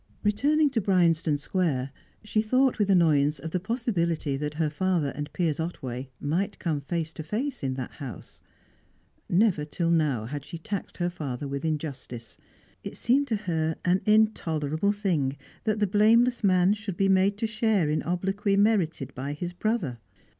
Returning to Bryanston Square, she thought with annoyance of the possibility that her father and Piers Otway might come face to face in that house. Never till now had she taxed her father with injustice. It seemed to her an intolerable thing that the blameless man should be made to share in obloquy merited by his brother.